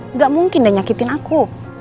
nggak mungkin udah nyakitin aku